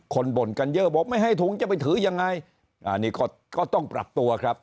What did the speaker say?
บ่นกันเยอะบอกไม่ให้ถุงจะไปถือยังไงอันนี้ก็ก็ต้องปรับตัวครับ